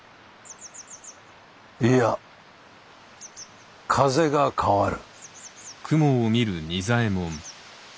いや風が変わる。